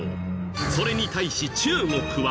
それに対し中国は。